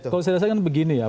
kalau saya rasakan begini ya